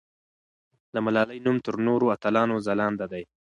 د ملالۍ نوم تر نورو اتلانو ځلانده دی.